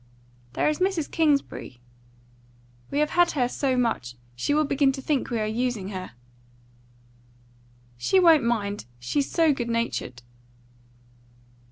"There is Miss Kingsbury." "We have had her so much. She will begin to think we are using her." "She won't mind; she's so good natured."